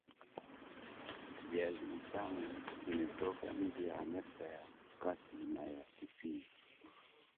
viazi vitam vimetoka nchi ya Amerika ya Kati na ya Kusini